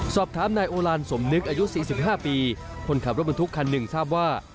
สอบถามนายโอลานสมนึกอายุ๔๕ปีคนขับรถบรรทุกคันหนึ่งทราบว่า